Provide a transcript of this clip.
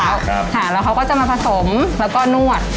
แล้วเขาก็จะมาผสมแล้วก็นวด